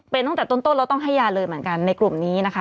เป็นตั้งแต่ต้นแล้วต้องให้ยาเลยเหมือนกันในกลุ่มนี้นะคะ